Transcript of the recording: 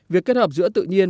việc kết hợp giữa tự nhiên